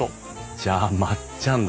じゃあまっちゃんだ。